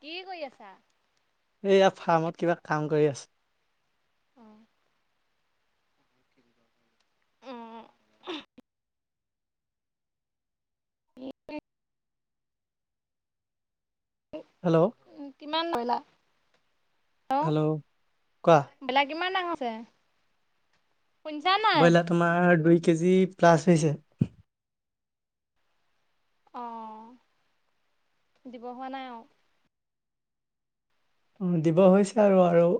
কি আছা? এইয়া ফাৰ্মত কিবা কাম কৰি আছো। অঁ উম। হেল্ল' উম কিমান কৰিলা,? হেল্ল' কোৱা? ব্ৰইলা কিমান ডাঙৰ আছে ব্ৰইলাৰ তোমাৰ দুই কেজি প্লাছ হৈছে। অঁ দিব হোৱা নাই আৰু। অঁ দিব হৈছে আৰু, আৰু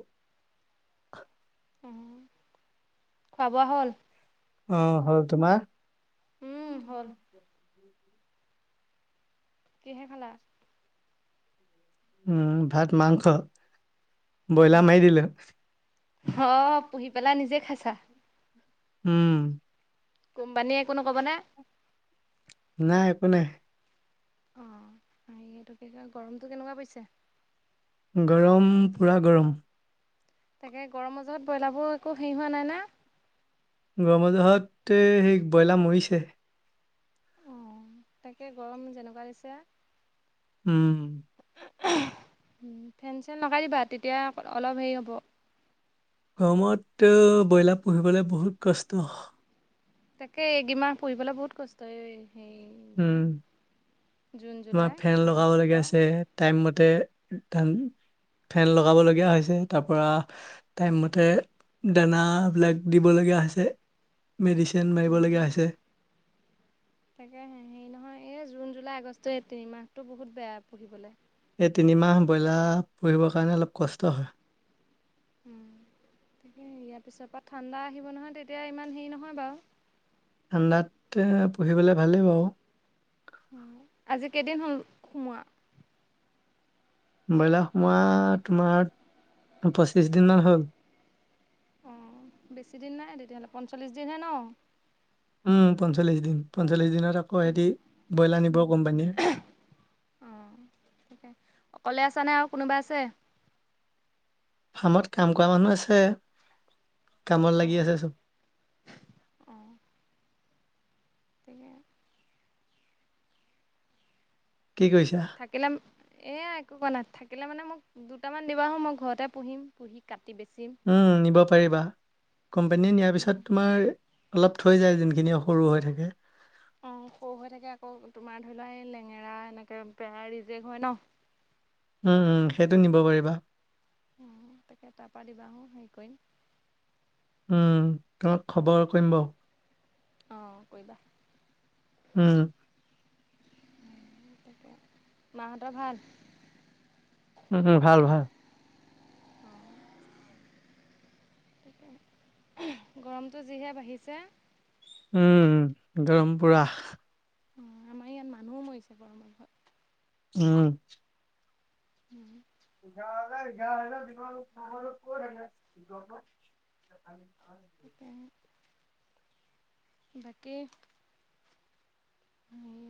উ খোৱা বোৱা হ'ল! আহ হ'ল তোমাৰ উম হ'ল। কিহে খালা? উম ভাত মাংস। বয়লা মাৰি দিলে খাই চা। উম। কোম্পানীয়ে এনো নক'বনে নাই একো নাই। অঁ সেইটো, গৰমটো কেনেকুৱা পৰিছে? গৰম পুৰা গৰম। তাকে গৰম মজহত ব্ৰইলাৰবোৰ একো হেৰি হোৱা নাই না। গৰম মাজহতে, সেই ব্ৰইলাৰ মৰিছে! অঁ তাকে গৰম যেনেকুৱা দিছে! উম। ফেন চেন লগাই দিবা তেতিয়া অলপ হেৰি হ'ব। গৰমত ব্ৰইলাৰ পুহিবলৈ বহুত কষ্ট। তাকে এই কেইমাহ পুহি বলৈ বহুত কষ্ট, এই উম, জুন তোমাৰ জুলাই ফেন লগাব আগষ্ট লগীয়া হৈছে টাইম মতে ধান ফেন লগাবলগীয়া হৈছে তাৰ পৰা টাইমতে। দান বিলাক দিবলগীয়া হৈছে মেডিচিন মাৰিব উম লগীয়া হৈছে। তাকে। হেৰি নহয় এই জুন জুলাই আগষ্ট এই তিনিমাহটো বহুত বেয়া পুহিবলে। এই তিনিমাহ ব্ৰইলাৰ পুহিবৰ কাৰণে অলপ কষ্ট হয়। উম। তাকে ইয়াৰ পিছৰ পৰা ঠাণ্ডা আহিব নহয় তেতিয়া ইমান হেৰি নহয় বাৰু। ঠাণ্ডাত পুহিবলৈ ভালেই বাৰু। আজি কেইদিন হল সোমোৱা। ব্ৰইলাৰ সোৱা তোমাৰ পঁচিশ দিন মান হ'ল। অ বেছি দিন নাই তেতিয়াহ'লে পঞ্চল্লিশ দিনহে ন। উম পঞ্চল্লিশ দিন পঞ্চল্লিছ দিনত। আকৌ সেইতি ব্ৰইলাৰ নিব কোম্পানী যে। নাই আৰু কোনোবা আছে। ফাৰ্মত কাম কৰা মানুহ আছে। কামত লাগি অঁ আছে চব। অঁ তাকে। কি কৰিছা থাকিলে এয়া একো কোৱা নাই থাকিল। তাকিলে মানে মোক দুটামান দিবা মই ঘৰতে পুহিম পুহি কাট। উম নিব পাৰিবা কোম্পানীয়ে নিয়াৰ পিছত তোমাৰ অলপ থৈ যায় যোনখিনি সৰু হৈ থাকে। অ সৰু হৈ থাকে আকৌ তোমাৰ ধৰি লোৱা এই লেঙেৰা এনেকে পেৰা ৰিজেক হয় ন। উম উম সেইটো নিব পাৰিবা। উ তাকে তাৰ পৰাা দিবা আহো হেৰি কৰিম। উম, তোমাক খবৰ কৰিম বাৰু। অ কৰিবা। উম। মাহঁতৰ ভাল। উম উম ভাল ভাল। [unintelligible] গৰমটো যিহে বাঢ়িছে। উম গৰমপুৰা। অ আমাৰ ইয়াত মানুহ মৰিছে বৰমু ঘত। উম। উম। ঘঘ ন' ন। তেতিয়া। বাকী।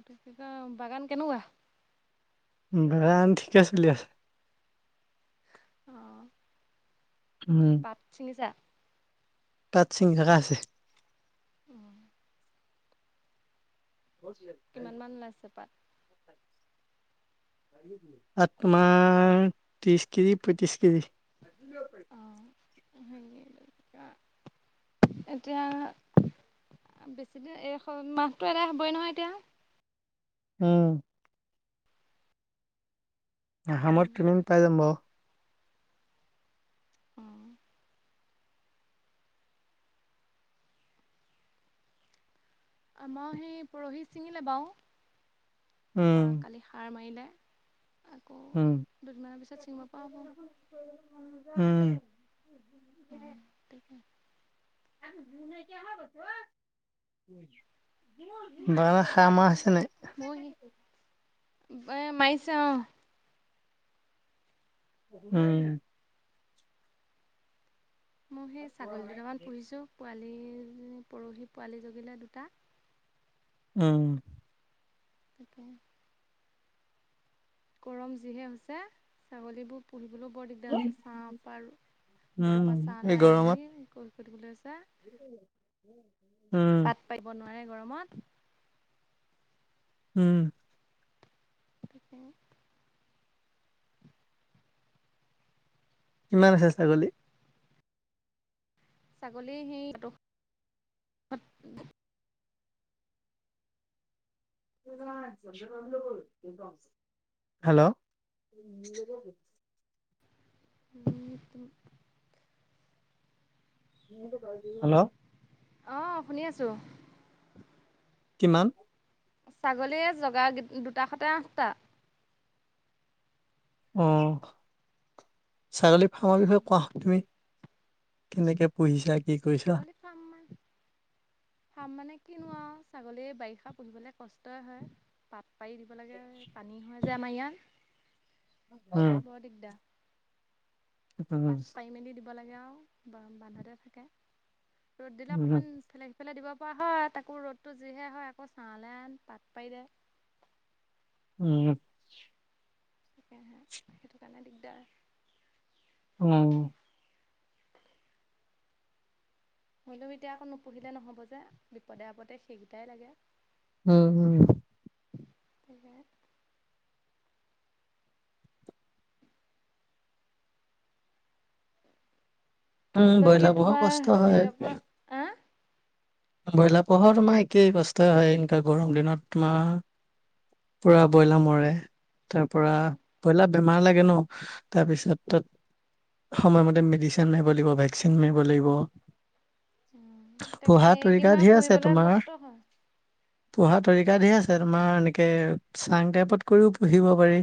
তেই বাগান কেনেকুৱা। ব আন ঠিকে চলি আছে। অহ। পাট ছিঙিছা। পাত চিঙি থকা হৈছে। উম। ব। কিমান মান ওলাইছে পাত। পাত তোমাৰ ত্ৰিশ কেজি পঁয়ত্ৰি কেজি। অঁ এতিয়া। বেছিদিন এই মাহতটো এদাই হবই নহয় এতিয়া। উম। অহ আমাৰ ট্ৰেইনিং চাই লম আমাৰ সেই পৰহি ছিঙিলে বাও, তাৰপা উম, কালি সাৰ মাৰিলে। [unintelligible] আকৌ উম দুদিনমানৰ পিছত ছিঙিব পৰা হ'ব। উম। তাকে আৰু মোৰ নাইকীয়া হৈ গৈছে অ। বাৰ হা মাহ আছে নাই। ময়ো সেই [unintelligible] এ মাৰিছে অহ। উম। মোৰ সেই ছাগলী দুটামান পুহিছোঁ পোৱালি পৰহি পোৱালি জগিলে দুটা। উম। তাকে গৰম যিহে হৈছে, ছাগলীবোৰ পুহিবলৈ। বৰ দিগদাৰ আছে চা পাৰ, তৰ পৰা উম, চা লৈ আনি আনি কৰি সুধিবলৈ। উম উম। পাত পাৰিব নোৱাৰে গৰমত। উম। তেতিয়া। কিমান আছে ছাগলী ছাগলী সেই। [unintelligible] হেল্ল'। [unintelligible] হেল্ল' আহ শুনি আছো কিমান ছাগলীয়ে জগা দুটা সতে আঠটা অ ছাগলী ফাৰ্মৰ বিষয়ে কোৱা তুমি কেনেকে পুহিছা কি কৰিছা? ছাগলী ফ্ৰাম ফ্ৰাম মানে কিনোৱা ছাগলীয়ে বাৰিষা পুহিবলে কষ্টই হয় পাত পাৰি দিব লাগে পানী হয় ইয়াত আমাৰ ইয়াত উম, বৰ দিগদাৰ উম পাত পাৰি মেলি দিব লাগে আৰু বান্ধাতে থাকে ৰ'দ দিলে অকণমান উম, ফেলাই সিফালাই দিব খোৱা হয় তাকৌ ৰ'দতো যিহে হয় আকৌ চা লেন আন পাত পাৰি দে উম। সেই সেইটো কাৰণে দিগদাৰ উম নহ'লে এতিয়া আকৌ নুপুহিলে নহব যে বিপদে আপদে সেইকেইটাই লাগে উম উম এনেই উম বাকী ব্ৰইলাৰ পুহা তোমাৰ কষ্ট হেৰিয়ৰ পৰা হয় আ ব্ৰইলাৰ পোহৰ তোমাৰ একেই কষ্টই হয় এই কেইটা গৰম দিনত তোমাৰ পোৰা ব্ৰইলাৰ মৰে তাৰ পৰা ব্ৰইলাৰ বেমাৰ লাগে তাকে ন তাৰপিছত সময়মতে মেডিচিন মাৰিব লাগিব ভেকচিন মাৰিব লাগিব তাকে পোহা তৰিকা এইকেইমাহ ধিৰ আছে পুৰিবলৈ কষ্ট তোমাৰ হয়। পোহাত তৰিকা ডেৰ আছে তোমাৰ এনেকে চাং টাইপত কৰিও পোহিব পাৰি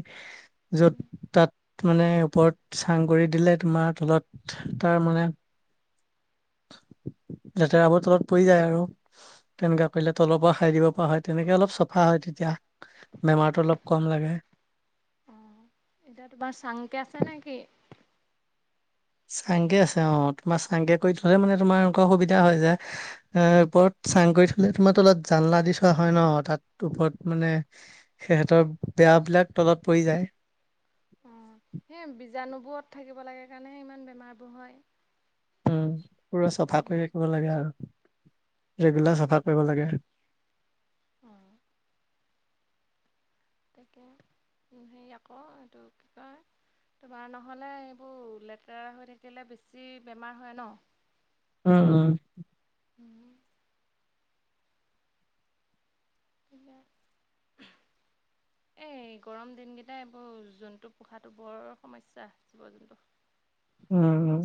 উম, য'ত তাত মানে ওপৰত চাং কৰি দিলে তোমাৰ তলত তাৰ মানে লেতেৰাবোৰ তলত পৰি যায় আৰু তেনেককা কৰিলে তলৰ পৰা সাৰি দিব পৰা হয় তেনেকে অলপ চাফা হয় তেতিয়া বেমাৰটো অলপ কম লাগে এতিয়া তোমাৰ চাংকে আছে নেকি চাংগে আছে অ তোমাৰ চাংগে কৰি থলে মানে তোমাৰ এনেকুৱা সুবিধা হয় যায় এ ওপৰত চাং কৰি থলে তোমাৰ তলত জানলা দি থোৱা হয় ন তাত ওপৰত মানে সিহঁতৰ বেয়া বিলাক তলত পৰি যায় অ' সেই বীজাণুবোৰত থাকিব লাগে কাৰণেহে ইমান বেমাৰবোৰ হয় উম পুৰা চাফা কৰি উম, ৰাখিব লাগে আৰু ৰেগুলাৰ চাফা কৰিব লাগে উম তাকে সেৰি আকৌ এইটো কি কয় তোমাৰ নহ'লে এইবোৰ লেতেৰা হৈ থাকিলে বেছি বেমাৰ হয় ন উম উম উম উম [unintelligible] [inaudible] এই গৰম দিনকেইটাই এইবোৰ জন্তু পোহাটো বৰ সমস্যা জীৱ জন্তু উম উম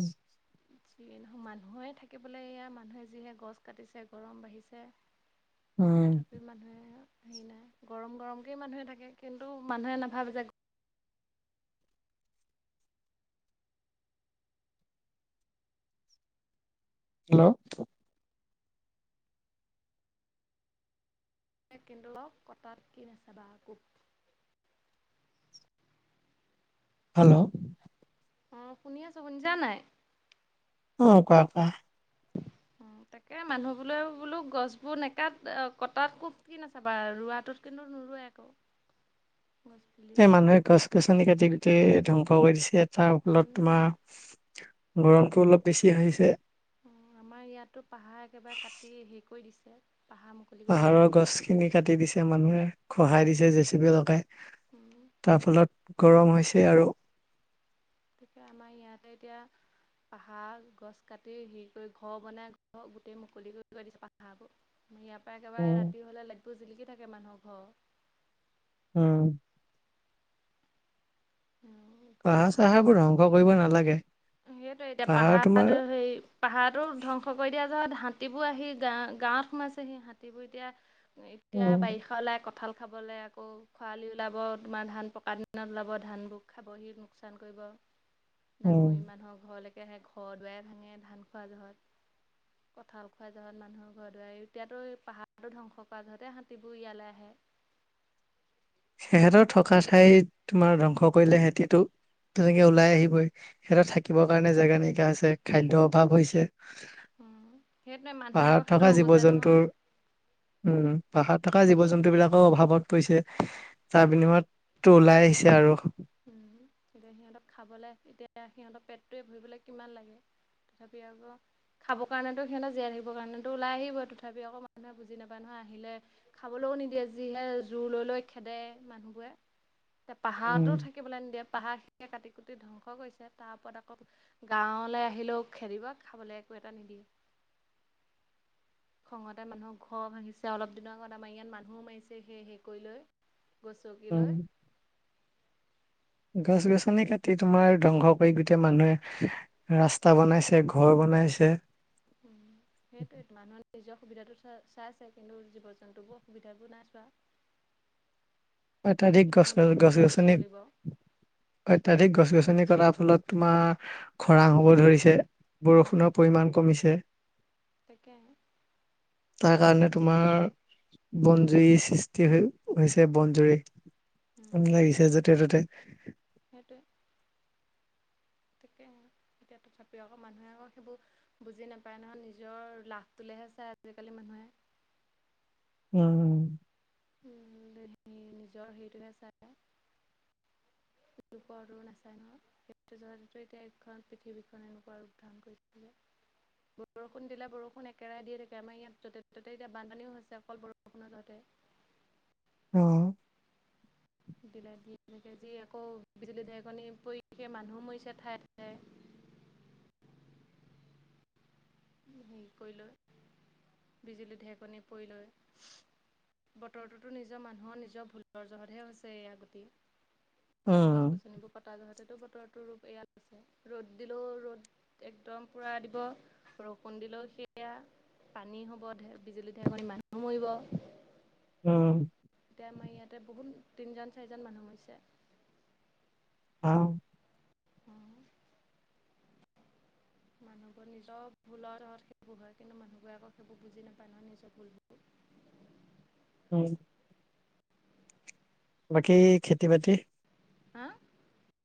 যি নহয় মানুহে থাকিবলৈ এয়া মানুহে যিহে গছ কাটিছে গৰম বাঢ়িছে উম, উম, তথাপিও মানুহে হেৰি নাই গৰম গৰমকেই মানুহে থাকে কিন্তু মানুহে নাভাবে যে হেল্ল' [unintelligible] কটাত কি নাচাবা আকৌ? [unintelligible] হেল্ল'? অ'! শুনি আছোঁ, শুনিছা নাই? অ'! কোৱা, কোৱা? অ তাকে, মানুহ বোলে, বোলো গছ বোৰ নেকাট? কটাত কো কি নাচাবা আৰু। ৰোৱাটোত কিন্তু, [unintelligible] [inaudible] গছ পুলি এ, মানুহে গছ গছনি কাটি গোটেই ধ্বংস কৰি দিছে! তাৰ ফলত, উম তোমাৰ, গৰমটো অলপ বেছি আহিছে। অ'! আমাৰ ইয়াতো, পাহাৰ একেবাৰে কাটি শেষ কৰি দিছে! পাহাৰ মুকলি কৰি দিছে পাহাৰৰ একেবাৰে গছখিনি কাটি দিছে মানুহে। খহাই দিছে জে চি পি লগাই। তাৰ ফলত গৰম হৈছে আৰু। গতিকে, আমাৰ ইয়াতে এতিয়া পাহাৰ গছ কাটি, হেৰি কৰি, ঘৰ বনাই, ঘৰ! গোটেই মুকলি কৰি দিছে পাহাৰবোৰ। ইয়াৰ পৰা একেবাৰে উম, ৰাতি হ'লে লাইটবোৰ জিলিকি থাকে মানুহৰ ঘৰ। উম! ঘৰৰ পাহাৰ, চাহাৰবোৰ ধ্বংস কৰিব নালাগে? সেইটোৱেই এতিয়া, পাহাৰ তোমাৰ পাহাৰটো হেৰি, পাহাৰটো ধ্বংস কৰি দিয়া [unintelligible] হাতীবোৰ আহি গা, গাঁৱত সোমাইছে। হাতীবোৰ এতিয়া, এতিয়া উম, বাৰিষা ওলাই কঁঠাল খাবলৈ আকৌ, খৰালিত ওলাব। তোমাৰ ধান পকা দিনত ওলাব, ধান। [unintelligible] খাবহি লোকচান কৰিব। উম, ডাঙৰি মানুহৰ ঘৰলে একেৰাহে, ঘৰ-দুৱাই ভাঙে, ধান খোৱা জহত। কঁঠাল খোৱা জহত, মানুহৰ ঘৰ-দুৱাৰ [unintelligible] এতিয়াতো, পাহাৰো ধ্বংস কৰা জহতে হাতীবোৰ ইয়ালৈ আহে। [inaudible] তেহেঁতৰ থকা ঠাই, তোমাৰ ধ্বংস কৰিলে সিহঁতি টো! তেনেকে ওলাই আহিবই। সিহঁত থাকিবৰ কাৰণে জোগা নাইকিয়া হৈছে, খাদ্যৰ অভাৱ হৈছে। সেইটোৱে মানুহে আকৌ পাহাৰত সেইটো থকা জীৱ নুবুজে নহয়। জন্তুৰ, উম! পাহাৰত থকা জীৱ-জন্তু বিলাকো অভাৱত পৰিছে! তাৰ বিনিময়ত টো ওলাই আহিছে আৰু। উম! এতিয়া সিহঁতক খাবলে, এতিয়া সিহঁতক পেটটোৱে ভৰিবলে কিমান লাগে? তথাপি, আকৌ খাব কাৰণেতো সিহঁত জীয়াই থাকিব কাৰণেতো ওলাই আহিবই। তথাপি আকৌ, মানুহে বুজি নাপায় নহয়! আহিলে, খাবলৈ কোনো নিদিয়ে। যিহে জোই লৈ লৈ খেদে, মানুহবোৰে। [inaudible] এ, পাহাৰতো উম থাকি নিদিয়ে। পাহাৰ [unintelligible] কাটি কুটি ধ্বংস কৰিছে! তাৰ ওপৰত আকৌ, গাঁৱলৈ আহিলেও খেদিব। খাবলৈ একো এটা নিদিয়ে! [inaudible] খঙতে মানুহক ঘৰ ভাঙিছে। অলপ দিনৰ আগত, আমাৰ ইয়াত মানুহো মাৰিছে। সে, সই কৰি লৈ। গচকি উম লয়। গছ -গছনি কাটি, তোমাৰ ধ্বংস কৰি! গোটেই মানুহে ৰাস্তা বনাইছে। ঘৰ বনাই সোমাইছে। উম, সেইটোৱেইটো! মানুহ নিজৰ সুবিধাটো চ, চাইছে। কিন্তু, জীৱ -জন্তুবোৰ অসুবিধাবোৰ নাই চোৱা। অত্যাধিক গছ, সিহঁতৰো গছ- সুবিধাবোৰ চাব গছনি, লাগিব অত্যাধিক গছ -গছনি কটা ফলত তোমাৰ, খৰাং হ'ব ধৰিছে, বৰষুণৰ পৰিমান কমিছে। তাকে! তাৰ কাৰণে তোমাৰ, বনজুই সৃষ্টি হৈ হৈছে, বনজুই। [unintelligible] লাগিছে য'তে ত'তে। সেইটোৱে! ঠিকেই। এতিয়া, তথাপিও আকৌ, মানুহে আকৌ, সেইবোৰ বুজি নাপায় নহয়? নিজৰ লাভটো লে হে চাই আজিকালি মানুহে উম। নিজৰ হেটোহে চাই। উ [inaudible] কোৱা ঘুৰি নাচায় নহয় সেইটো জন্তু এতিয়া এইখন পৃথিৱীখন এনেকুৱা ৰ ধাৰণ কৰি থাকিব। বৰষুণ দিলে বৰষুণ একেৰাহে দিয়ে থাকে। আমাৰ ইয়াত য'তে ত'তে এতিয়া বানপানীও হৈছে অকল বৰষুণত তহতে। অ। দিলে দি [unintelligible] আজি আকৌ বিজুলী ঢেকনী পৰিকে মানুহো মৰিছে ঠায়ে ঠায়ে। [inaudible] হেৰি কৰি লৈ, বিজুলী ঢেকনি পৰি লযৈ। বতৰটোতো নিজৰ মানুহৰ নিজৰ ভুলৰ জহতহে হৈছে এয়া গটি। গছ - উম গছনিবোৰ কটা যহতেতো, উৰ [unintelligible] ৰূপ এয়া আছে। ৰ'দ দিলেও ৰ'দ একদম পুৰা দিব, বৰষুণ দিলেও সেয়া পানী হ'ব, বিজুলী ঢেৰেকণীত মানুহ মৰিব। উম। এতিয়া আমাৰ ইয়াতে বহুত তিনজন চাৰিজন মানুহ মৰিছে। অ। অ। মানুহবোৰ নিজৰ ভুলৰ জহত সেইবোৰ হয়, কিন্তু মানুহবোৰে আকৌ সেইবোৰ বুজি নাপায় নহয় নিজৰ ভুলবোৰ। উম। বাকী খেতি বাতি? হা?